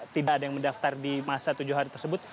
tidak ada yang mendaftar di masa tujuh hari tersebut